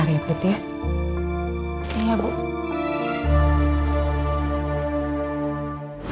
ibu pasti jadi ikut sedih